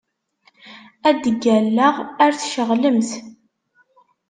Ad d-ggalleɣ ar tceɣlemt.